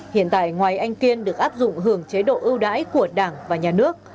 hiện tại ngoài anh kiên được áp dụng hưởng chế độ ưu đãi của đảng và nhà nước